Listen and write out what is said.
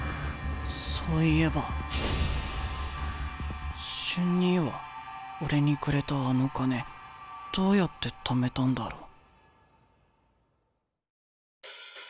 そういえば瞬兄は俺にくれたあの金どうやってためたんだろう？